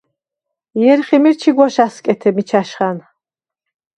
ჲერხი მირ ჩიგუ̂აშ ა̈სკეთე მიჩა̈შხა̈ნ!